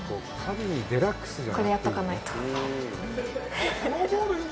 これ、やっとかないと。